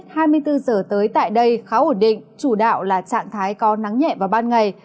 hai mươi bốn giờ tới tại đây khá ổn định chủ đạo là trạng thái có nắng nhẹ vào ban ngày